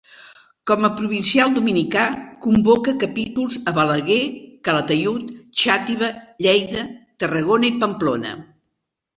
Com a provincial dominicà convocà capítols a Balaguer, Calatayud, Xàtiva, Lleida, Tarragona i Pamplona.